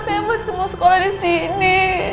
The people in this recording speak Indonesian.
saya masih semua sekolah di sini